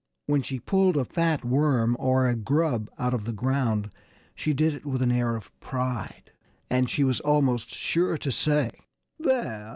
When she pulled a fat worm or a grub out of the ground she did it with an air of pride; and she was almost sure to say, "There!